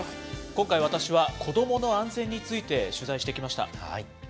今回、私は子どもの安全について取材してきました。